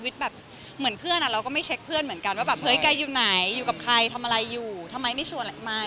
แต่คือยังไม่พร้อมด้วยหลายอย่าง